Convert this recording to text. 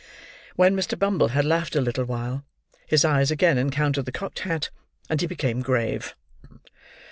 ha!" When Mr. Bumble had laughed a little while, his eyes again encountered the cocked hat; and he became grave.